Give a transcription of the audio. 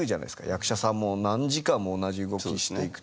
役者さんも何時間も同じ動きにしていくと。